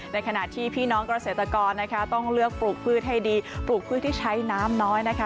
ในขณะที่พี่น้องเกษตรกรนะคะต้องเลือกปลูกพืชให้ดีปลูกพืชที่ใช้น้ำน้อยนะคะ